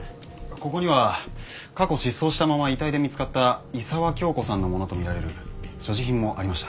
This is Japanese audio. ここには過去失踪したまま遺体で見つかった伊澤恭子さんのものとみられる所持品もありました。